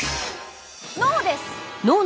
脳です！